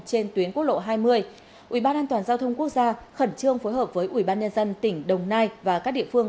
trên tuyến quốc lộ hai mươi ubndg quốc gia khẩn trương phối hợp với ubnd tỉnh đồng nai và các địa phương